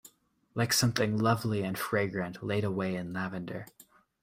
Like something lovely and fragrant laid away in lavender.